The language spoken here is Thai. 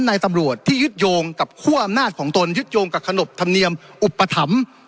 ในตำรวจที่ยึดโยงกับคั่วอำนาจของตนยึดโยงกับขนบธรรมเนียมอุปถัมภ์